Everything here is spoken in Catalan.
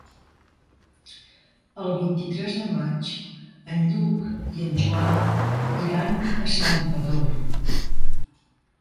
El vint-i-tres de maig en Lluc i en Joan iran a Santpedor.